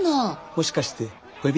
もしかして恋人？